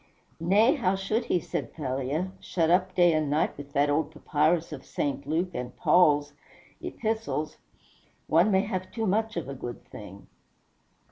"Nay, how should he," said Thalia, "shut up day and night with that old papyrus of St. Luke and Paul's Epistles? One may have too much of a good thing."